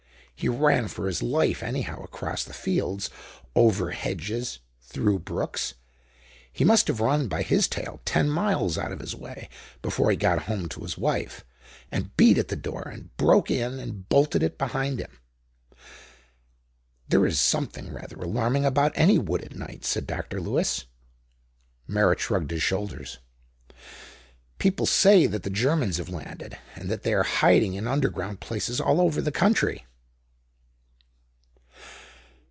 He ran for his life, anyhow; across fields, over hedges, through brooks. He must have run, by his tale, ten miles out of his way before he got home to his wife, and beat at the door, and broke in, and bolted it behind him.". "There is something rather alarming about any wood at night," said Dr. Lewis. Merritt shrugged his shoulders. "People say that the Germans have landed, and that they are hiding in underground places all over the country."